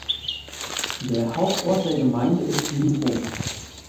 Der Hauptort der Gemeinde ist Nybro.